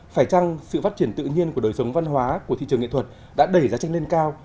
phải chăng sự phát triển tự nhiên của đời sống văn hóa của thị trường nghệ thuật đã đẩy giá tranh lên cao